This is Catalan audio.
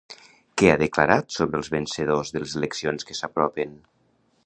Què ha declarat sobre els vencedors de les eleccions que s'apropen?